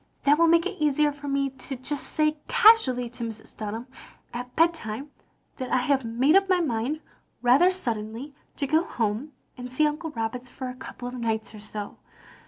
"That will make it easier for me to just say casually to Mrs. Dunham, at bedtime, that I have made up my mind rather suddenly to go home and see Uncle Roberts for a couple of nights or so.